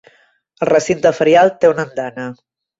El recinte ferial té una andana.